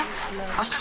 あした？